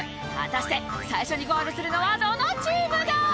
果たして最初にゴールするのはどのチームだ？